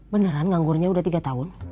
beneran nganggurnya udah tiga tahun